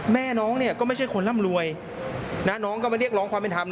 แม่น้องเนี่ยก็ไม่ใช่คนร่ำรวยน้องก็มาเรียกร้องความเป็นธรรม